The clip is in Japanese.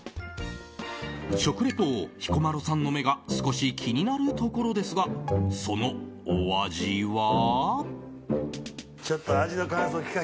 食リポ王・彦摩呂さんの目が少し気になるところですがそのお味は。